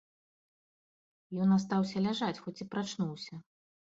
Ён астаўся ляжаць, хоць і прачнуўся.